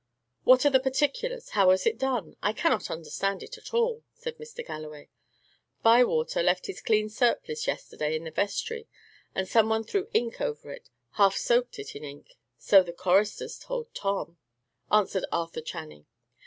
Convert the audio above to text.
"What are the particulars? How was it done? I cannot understand it at all," said Mr. Galloway. "Bywater left his clean surplice yesterday in the vestry, and some one threw ink over it half soaked it in ink, so the choristers told Tom," answered Arthur Channing.